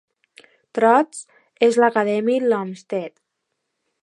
Trost és acadèmic d'Olmsted.